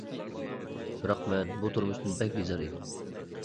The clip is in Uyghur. بىراق مەن بۇ تۇرمۇشتىن بەك بىزار ئىدىم.